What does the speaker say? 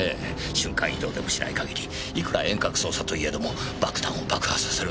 瞬間移動でもしない限りいくら遠隔操作といえども爆弾を爆破させるのは無理だとは思いませんか？